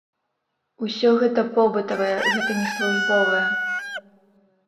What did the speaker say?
Усё гэта побытавае, гэта не службовае.